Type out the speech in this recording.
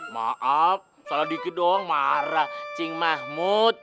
maaf salah dikit doang marah cing mahmud